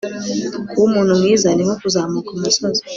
kuba umuntu mwiza ni nko kuzamuka umusozi